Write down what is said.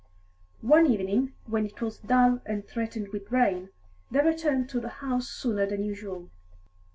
One evening, when it was dull and threatened rain, they returned to the house sooner than usual.